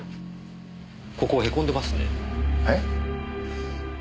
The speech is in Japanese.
ここへこんでますね。え？